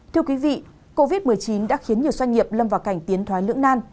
thưa quý vị covid một mươi chín đã khiến nhiều doanh nghiệp lâm vào cảnh tiến thoái lưỡng nan